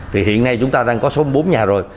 thì hiện nay chúng ta đang có sáu mươi bốn nhà rồi